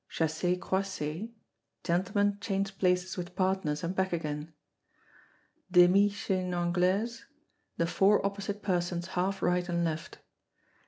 Chassez croisez. Gentlemen change places with partners, and back again. Demie Chaine Anglaise. The four opposite persons half right and left.